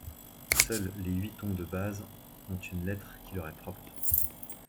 Seuls les huit tons de base ont une lettre qui leur est propre.